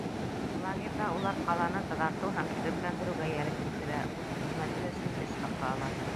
Лагерҙа улар ҡаланы таҙартыу һәм төҙөкләндереүгә йәлеп ителә, үҙ хеҙмәте өсөн эш хаҡы ала.